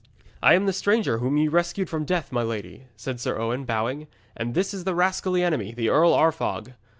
'I am the stranger whom ye rescued from death, my lady,' said Sir Owen, bowing, 'and this is thy rascally enemy, the Earl Arfog.